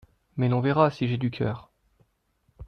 Mais l’on verra si j’ai du cœur !…